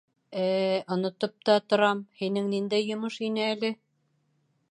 Ээ, онотоп та торам, һинең ниндәй йомош ине әле?